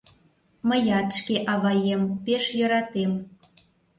— Мыят шке аваем пеш йӧратем.